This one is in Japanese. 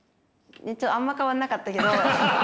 あんま変わんなかったけど。